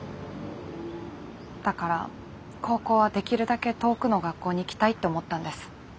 だから高校はできるだけ遠くの学校に行きたいって思ったんです。